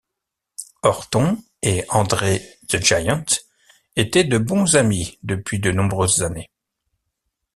Orton et André The Giant étaient de bons amis depuis de nombreuses années.